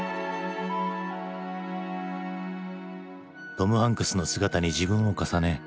トム・ハンクスの姿に自分を重ね